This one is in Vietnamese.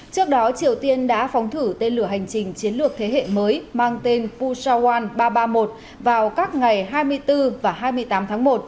trước đó triều tiên đã phóng thử tên lửa hành trình chiến lược thế hệ mới mang tên pushawan ba trăm ba mươi một vào các ngày hai mươi bốn và hai mươi tám tháng một